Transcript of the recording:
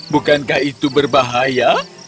bukankah itu berbahaya